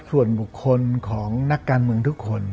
ส่วนบุคคลของนักการเมืองทุกคน